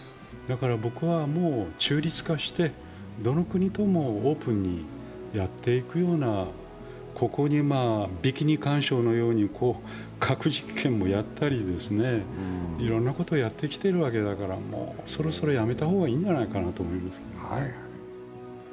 僕はもう中立化して、どの国ともオープンにやっていくようなここにビキニ環礁のように核実験をやったりいろんなことをやってきているわけだから、もうそろそろやめた方がいいんじゃないかと思いますね。